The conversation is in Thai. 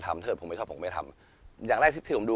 ผมเห็นพ่อเขาทำงานมาตั้งแต่